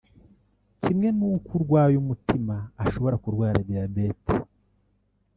kimwe n’uko urwaye umutima ashobora kurwara diyabete